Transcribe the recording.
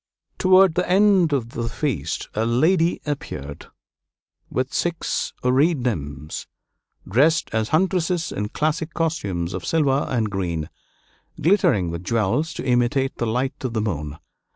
Toward the end of the feast a lady appeared with six Oread nymphs, dressed as huntresses in classic costumes of silver and green, glittering with jewels to imitate the light of the moon.